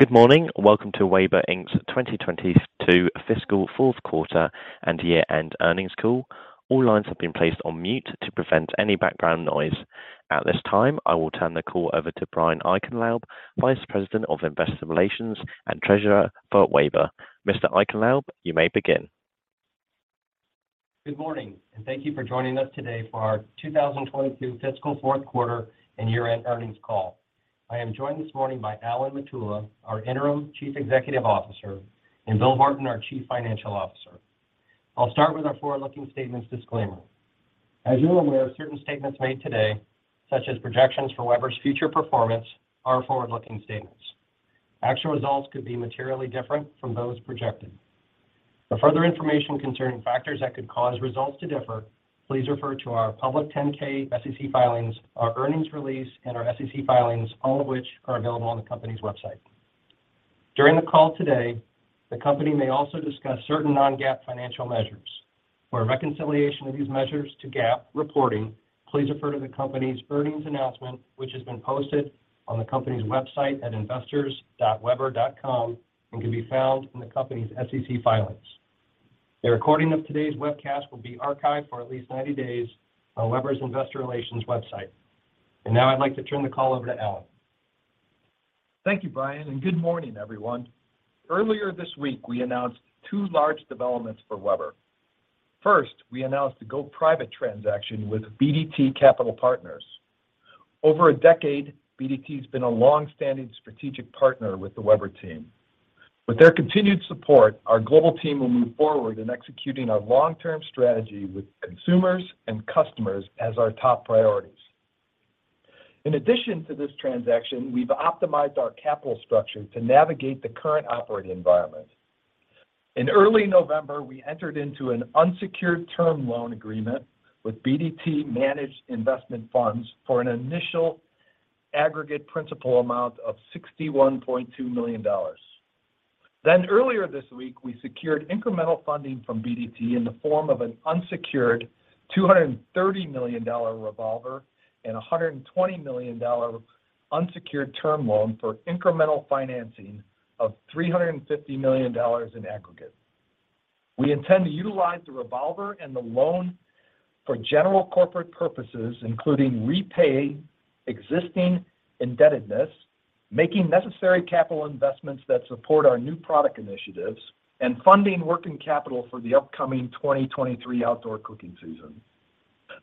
Good morning. Welcome to Weber Inc.'s 2022 fiscal fourth quarter and year-end earnings call. All lines have been placed on mute to prevent any background noise. At this time, I will turn the call over to Brian Eichenlaub, Vice President of Investor Relations and Treasurer for Weber. Mr. Eichenlaub, you may begin. Good morning, and thank you for joining us today for our 2022 fiscal fourth quarter and year-end earnings call. I am joined this morning by Alan Matula, our Interim Chief Executive Officer, and Bill Horton, our Chief Financial Officer. I'll start with our forward-looking statements disclaimer. As you're aware, certain statements made today, such as projections for Weber's future performance, are forward-looking statements. Actual results could be materially different from those projected. For further information concerning factors that could cause results to differ, please refer to our public 10-K SEC filings, our earnings release, and our SEC filings, all of which are available on the company's website. During the call today, the company may also discuss certain non-GAAP financial measures. For a reconciliation of these measures to GAAP reporting, please refer to the company's earnings announcement, which has been posted on the company's website at investors.weber.com and can be found in the company's SEC filings. The recording of today's webcast will be archived for at least 90 days on Weber's investor relations website. Now I'd like to turn the call over to Alan. Thank you, Brian. Good morning, everyone. Earlier this week, we announced two large developments for Weber. First, we announced a go-private transaction with BDT Capital Partners. Over a decade, BDT's been a long-standing strategic partner with the Weber team. With their continued support, our global team will move forward in executing our long-term strategy with consumers and customers as our top priorities. In addition to this transaction, we've optimized our capital structure to navigate the current operating environment. In early November, we entered into an unsecured term loan agreement with BDT managed investment funds for an initial aggregate principal amount of $61.2 million. Earlier this week, we secured incremental funding from BDT in the form of an unsecured $230 million revolver and a $120 million unsecured term loan for incremental financing of $350 million in aggregate. We intend to utilize the revolver and the loan for general corporate purposes, including repay existing indebtedness, making necessary capital investments that support our new product initiatives, and funding working capital for the upcoming 2023 outdoor cooking season.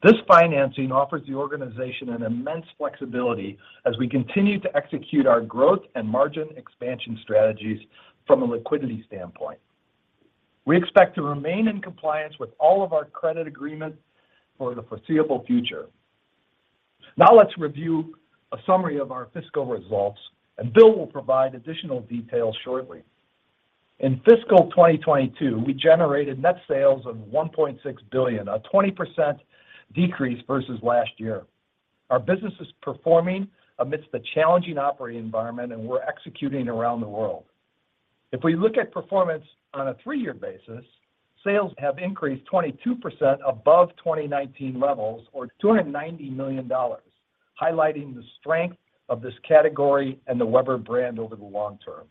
This financing offers the organization an immense flexibility as we continue to execute our growth and margin expansion strategies from a liquidity standpoint. We expect to remain in compliance with all of our credit agreements for the foreseeable future. Let's review a summary of our fiscal results, and Bill will provide additional details shortly. In fiscal 2022, we generated net sales of $1.6 billion, a 20% decrease versus last year. Our business is performing amidst the challenging operating environment, and we're executing around the world. If we look at performance on a three-year basis, sales have increased 22% above 2019 levels or $290 million, highlighting the strength of this category and the Weber brand over the long term.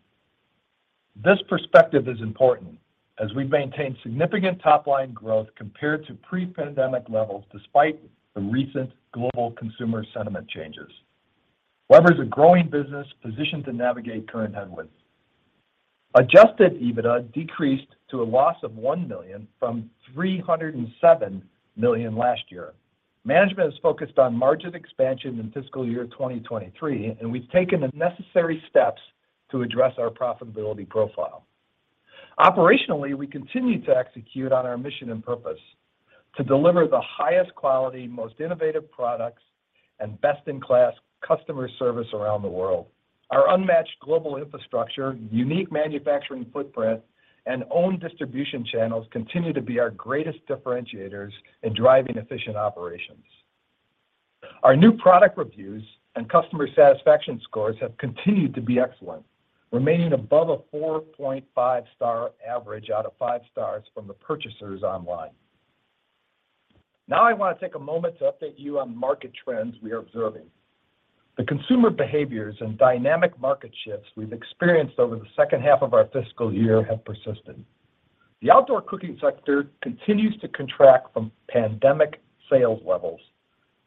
This perspective is important as we maintain significant top-line growth compared to pre-pandemic levels despite the recent global consumer sentiment changes. Weber is a growing business positioned to navigate current headwinds. Adjusted EBITDA decreased to a loss of $1 million from $307 million last year. Management is focused on margin expansion in fiscal year 2023, and we've taken the necessary steps to address our profitability profile. Operationally, we continue to execute on our mission and purpose to deliver the highest quality, most innovative products, and best-in-class customer service around the world. Our unmatched global infrastructure, unique manufacturing footprint, and owned distribution channels continue to be our greatest differentiators in driving efficient operations. Our new product reviews and customer satisfaction scores have continued to be excellent, remaining above a 4.5 star average out of 5 stars from the purchasers online. I want to take a moment to update you on market trends we are observing. The consumer behaviors and dynamic market shifts we've experienced over the second half of our fiscal year have persisted. The outdoor cooking sector continues to contract from pandemic sales levels.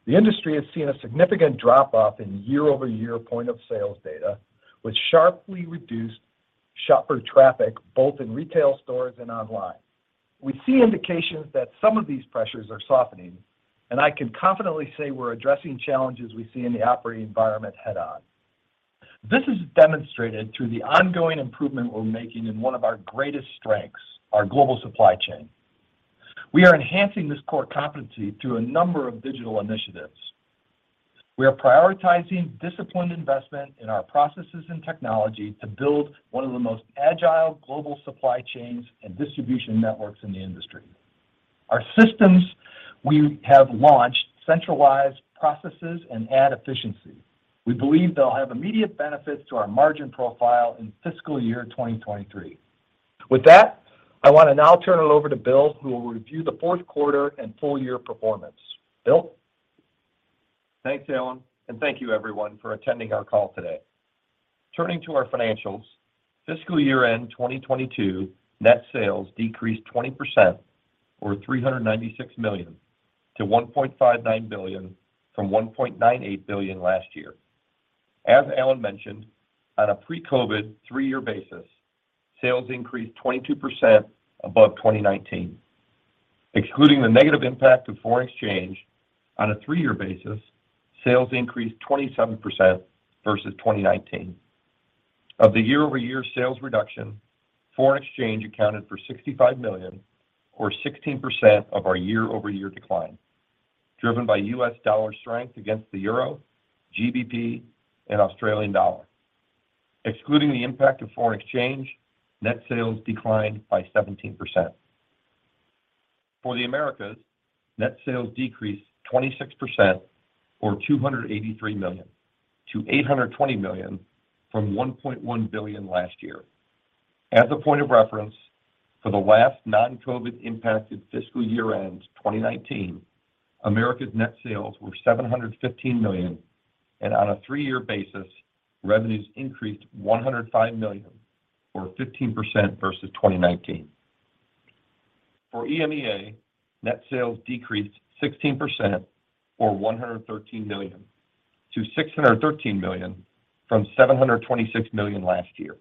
The industry has seen a significant drop-off in year-over-year point of sales data with sharply reduced shopper traffic, both in retail stores and online. We see indications that some of these pressures are softening. I can confidently say we're addressing challenges we see in the operating environment head-on. This is demonstrated through the ongoing improvement we're making in one of our greatest strengths, our global supply chain. We are enhancing this core competency through a number of digital initiatives. We are prioritizing disciplined investment in our processes and technology to build one of the most agile global supply chains and distribution networks in the industry. Our systems, we have launched centralized processes and add efficiency. We believe they'll have immediate benefits to our margin profile in fiscal year 2023. I want to now turn it over to Bill, who will review the fourth quarter and full year performance. Bill? Thanks, Alan, and thank you everyone for attending our call today. Turning to our financials, fiscal year-end 2022 net sales decreased 20% or $396 million to $1.59 billion from $1.98 billion last year. As Alan mentioned, on a pre-COVID three-year basis, sales increased 22% above 2019. Excluding the negative impact of foreign exchange on a three-year basis, sales increased 27% versus 2019. Of the year-over-year sales reduction, foreign exchange accounted for $65 million or 16% of our year-over-year decline, driven by US dollar strength against the Euro, GBP, and Australian dollar. Excluding the impact of foreign exchange, net sales declined by 17%. For the Americas, net sales decreased 26% or $283 million to $820 million from $1.1 billion last year. As a point of reference, for the last non-COVID impacted fiscal year-end, 2019, Americas net sales were $715 million. On a three-year basis, revenues increased $105 million or 15% versus 2019. For EMEA, net sales decreased 16% or $113 million to $613 million from $726 million last year.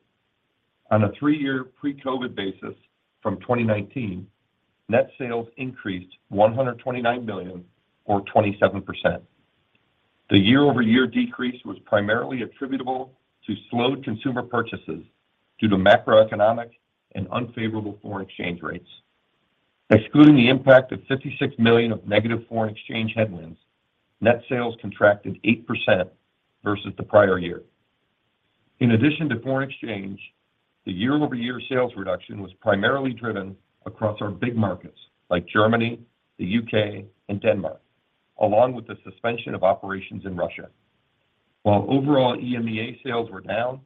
On a three-year pre-COVID basis from 2019, net sales increased $129 million or 27%. The year-over-year decrease was primarily attributable to slowed consumer purchases due to macroeconomic and unfavorable foreign exchange rates. Excluding the impact of $56 million of negative foreign exchange headwinds, net sales contracted 8% versus the prior year. In addition to foreign exchange, the year-over-year sales reduction was primarily driven across our big markets like Germany, the U.K., and Denmark, along with the suspension of operations in Russia. While overall EMEA sales were down,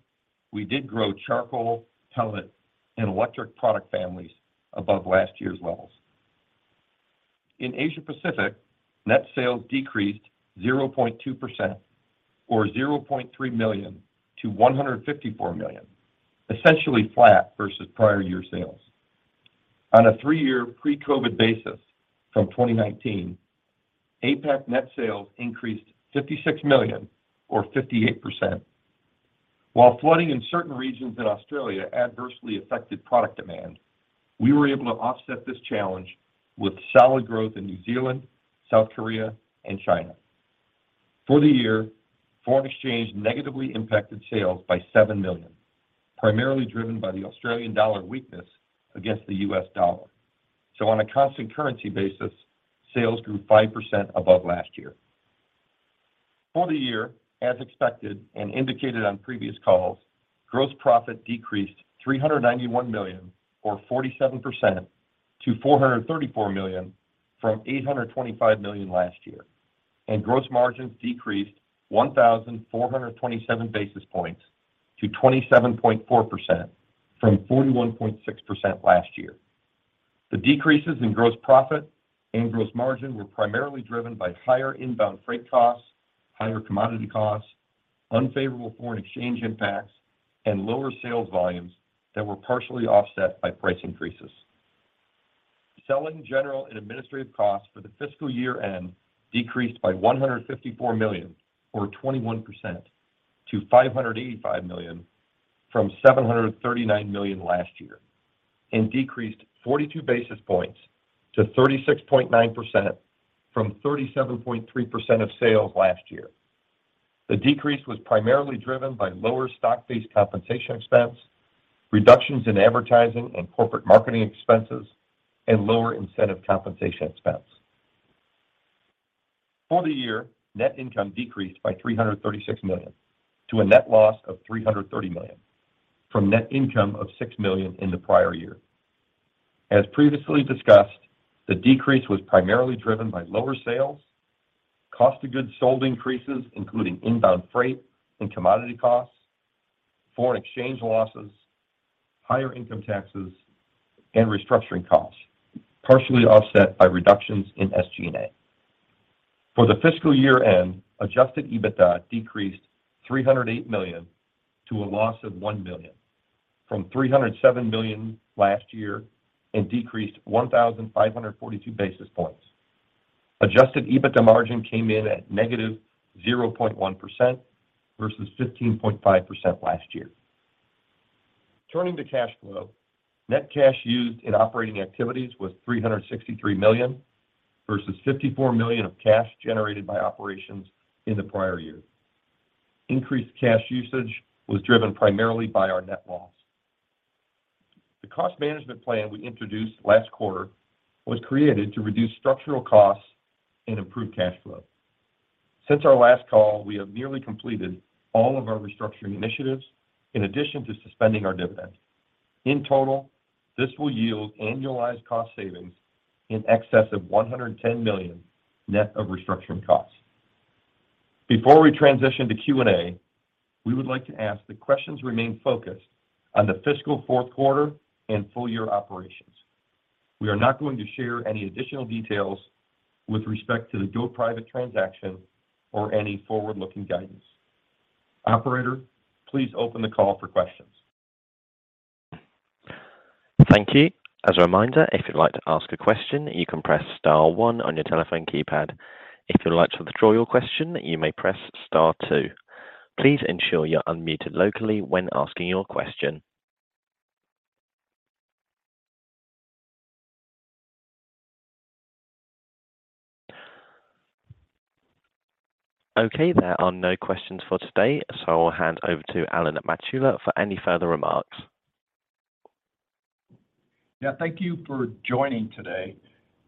we did grow charcoal, pellet, and electric product families above last year's levels. In Asia Pacific, net sales decreased 0.2% or $0.3 million to $154 million, essentially flat versus prior year sales. On a three-year pre-COVID basis from 2019, APAC net sales increased $56 million or 58%. While flooding in certain regions in Australia adversely affected product demand, we were able to offset this challenge with solid growth in New Zealand, South Korea, and China. For the year, foreign exchange negatively impacted sales by $7 million, primarily driven by the Australian dollar weakness against the US dollar. On a constant currency basis, sales grew 5% above last year. For the year, as expected and indicated on previous calls, gross profit decreased $391 million or 47% to $434 million from $825 million last year, and gross margins decreased 1,427 basis points to 27.4% from 41.6% last year. The decreases in gross profit and gross margin were primarily driven by higher inbound freight costs, higher commodity costs, unfavorable foreign exchange impacts, and lower sales volumes that were partially offset by price increases. Selling, General and Administrative costs for the fiscal year-end decreased by $154 million or 21% to $585 million from $739 million last year, and decreased 42 basis points to 36.9% from 37.3% of sales last year. The decrease was primarily driven by lower stock-based compensation expense, reductions in advertising and corporate marketing expenses, and lower incentive compensation expense. For the year, net income decreased by $336 million to a net loss of $330 million from net income of $6 million in the prior year. As previously discussed, the decrease was primarily driven by lower sales, cost of goods sold increases, including inbound freight and commodity costs, foreign exchange losses, higher income taxes, and restructuring costs, partially offset by reductions in SG&A. For the fiscal year-end, adjusted EBITDA decreased $308 million to a loss of $1 million from $307 million last year and decreased 1,542 basis points. Adjusted EBITDA margin came in at -0.1% versus 15.5% last year. Turning to cash flow, net cash used in operating activities was $363 million versus $54 million of cash generated by operations in the prior year. Increased cash usage was driven primarily by our net loss. The cost management plan we introduced last quarter was created to reduce structural costs and improve cash flow. Since our last call, we have nearly completed all of our restructuring initiatives, in addition to suspending our dividend. In total, this will yield annualized cost savings in excess of $110 million net of restructuring costs. Before we transition to Q&A, we would like to ask the questions remain focused on the fiscal fourth quarter and full-year operations. We are not going to share any additional details with respect to the go-private transaction or any forward-looking guidance. Operator, please open the call for questions. Thank you. As a reminder, if you'd like to ask a question, you can press star one on your telephone keypad. If you'd like to withdraw your question, you may press star two. Please ensure you're unmuted locally when asking your question. Okay, there are no questions for today. I'll hand over to Alan Matula for any further remarks. Yeah, thank you for joining today.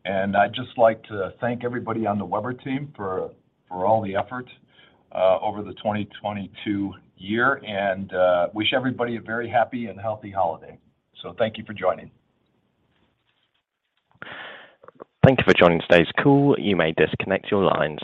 I'd just like to thank everybody on the Weber team for all the effort over the 2022 year and wish everybody a very happy and healthy holiday. Thank you for joining. Thank you for joining today's call. You may disconnect your lines.